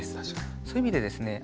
そういう意味でですね